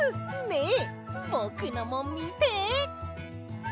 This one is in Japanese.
ねえぼくのもみて。